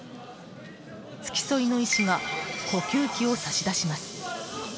付き添いの医師が呼吸器を差し出します。